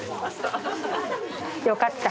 よかった。